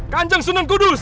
kanjeng sunan kudus